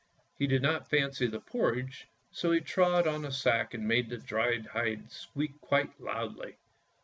He did not fancy the porridge, so he trod on the sack and made the dried hide squeak quite loudly.